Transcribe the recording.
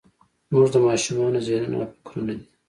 زموږ د ماشومانو ذهنونه او فکرونه دي.